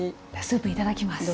スープいただきます。